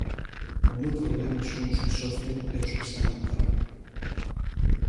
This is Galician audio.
O meu problema son os que sofren e os que están no paro.